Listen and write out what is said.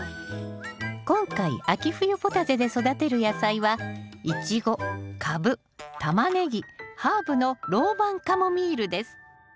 今回秋冬ポタジェで育てる野菜はイチゴカブタマネギハーブのローマンカモミールです